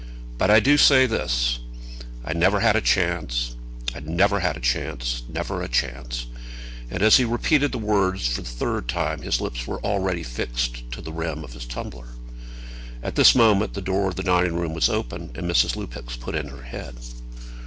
But I do say this; I never had a chance; I never had a chance; never had a chance." And as he repeated the words for the third time, his lips were already fixed to the rim of his tumbler. At this moment the door of the dining room was opened, and Mrs. Lupex put in her head.